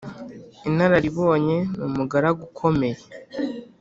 inararibonye ni umugaragu ukomeye